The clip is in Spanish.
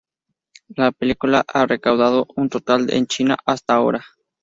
La película ha recaudado un total de en China hasta ahora.